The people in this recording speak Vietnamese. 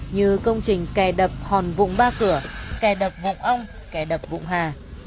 như công trình kè đập hòn vụng ba cửa kè đập vụng ông kè đập vụng hà